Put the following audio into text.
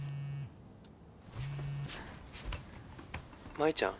舞ちゃん。